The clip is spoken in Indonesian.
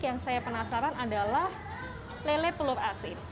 yang saya penasaran adalah lele telur asin